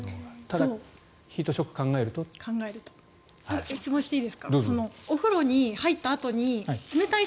ただ、ヒートショックを考えるとっていう。